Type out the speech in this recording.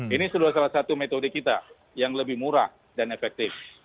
ini sudah salah satu metode kita yang lebih murah dan efektif